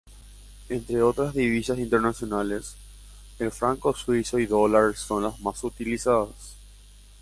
Entre otras divisas internacionales, el franco suizo y dólar son las más utilizadas.